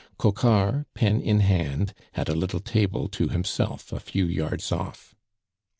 Coquart, pen in hand, had a little table to himself a few yards off.